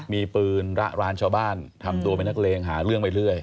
มีปืนระร้านชาวบ้านทำตัวเป็นนักเลงหาเรื่องไปเรื่อย